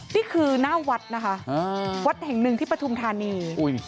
นี่คือหน้าวัดนะคะวัดแห่งหนึ่งที่ปฐุมธานี